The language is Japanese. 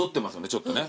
ちょっとね。